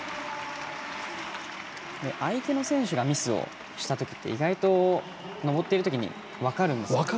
相手の選手がミスをしたときって意外と登っている時に分かるんですよ。